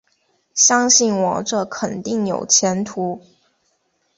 相信我，这肯定有前途